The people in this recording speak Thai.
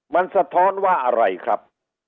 มันสะท้อนว่าอะไรครับ